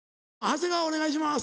長谷川お願いします。